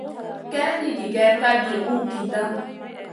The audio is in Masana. Kaïn mi gigè kalgi uhgida.